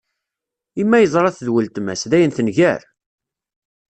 I ma yeẓra-t d uletma-s, dayen tenger?